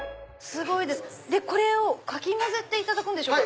これをかき混ぜていただくんでしょうか？